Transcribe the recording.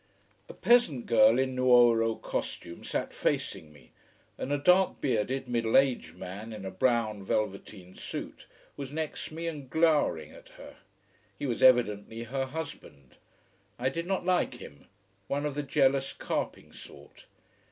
A peasant girl in Nuoro costume sat facing me, and a dark bearded, middle aged man in a brown velveteen suit was next me and glowering at her. He was evidently her husband. I did not like him: one of the jealous, carping sort.